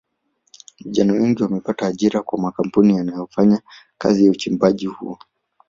Vijana wengi wamepata ajira kwa makampuni yanayofanya kazi ya uchimbaji huo